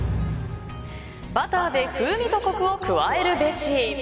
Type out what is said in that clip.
バターで風味とコクを加えるべし。